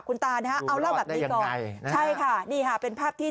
คุณตาท่านนี้